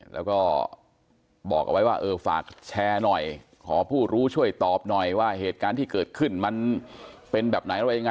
แล้วก็บอกเอาไว้ว่าเออฝากแชร์หน่อยขอผู้รู้ช่วยตอบหน่อยว่าเหตุการณ์ที่เกิดขึ้นมันเป็นแบบไหนอะไรยังไง